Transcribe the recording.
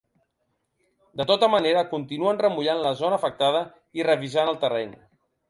De tota manera, continuen remullant la zona afectada i revisant el terreny.